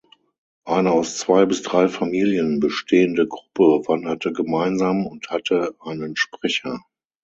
Eine aus zwei bis drei Familien bestehende Gruppe wanderte gemeinsam und hatte einen Sprecher.